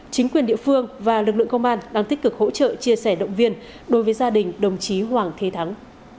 chính quyền địa phương và lực lượng công an đang tích cực hỗ trợ chia sẻ động viên đối với gia đình đồng chí hoàng thế thắng